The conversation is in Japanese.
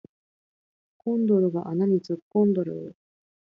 コンドルが穴に突っ込んどる